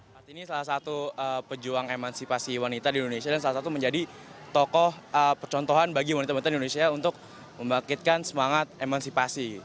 kartini salah satu pejuang emansipasi wanita di indonesia dan salah satu menjadi tokoh percontohan bagi wanita wanita di indonesia untuk membangkitkan semangat emansipasi